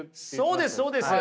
そうですそうです。